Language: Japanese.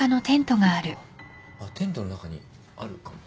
あっテントの中にあるかも。